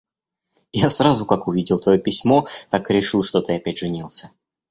Я сразу, как увидел твое письмо, так и решил, что ты опять женился.